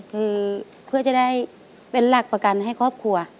คือเพื่อจะได้เป็นหลักประกันให้ครอบครัว